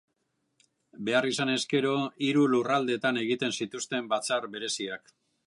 Behar izanez gero, hiru lurraldeetan egiten zituzten Batzar Bereziak.